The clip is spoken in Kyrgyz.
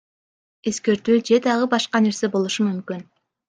Эскертүү же дагы башка нерсе болушу мүмкүн.